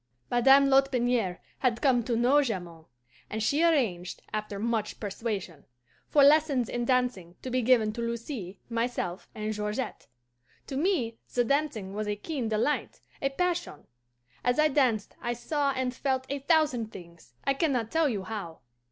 "Madame Lotbiniere had come to know Jamond, and she arranged, after much persuasion, for lessons in dancing to be given to Lucy, myself, and Georgette. To me the dancing was a keen delight, a passion. As I danced I saw and felt a thousand things, I can not tell you how.